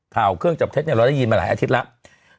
เครื่องจับเท็จเราได้ยินมาหลายอาทิตย์แล้ว